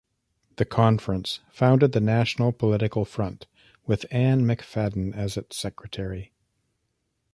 The conference founded the National Political Front, with Anne McFadden as its secretary.